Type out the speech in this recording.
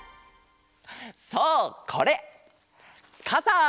そうこれかさ！